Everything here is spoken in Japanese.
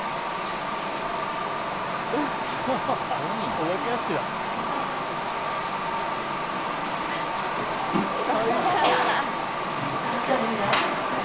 お化け屋敷だね。